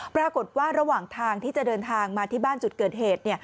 ระหว่างทางที่จะเดินทางมาที่บ้านจุดเกิดเหตุ